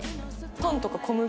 パンとか小麦。